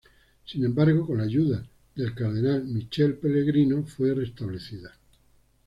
Sin embargo, con la ayuda del cardenal Michele Pellegrino, fue restablecida.